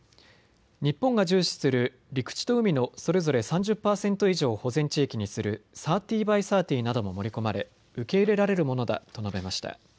日本が重視する陸地と海のそれぞれ３０％以上を保全地域にする３０ＢＹ３０なども盛り込まれ受け入れられるものだと述べました。